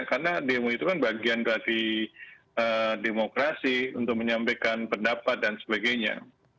karena demo itu kan bagian dari demokrasi untuk menyampaikan pendapat dan sebagainya